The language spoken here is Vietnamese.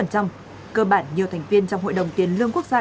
cơ bản nhiều thành viên trong hội đồng tiền lương quốc gia